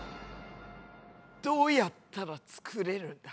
どうやったら作れるんだ？